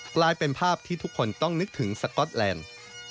กลายเป็นภาพที่ทุกคนต้องนึกถึงสก๊อตแลนด์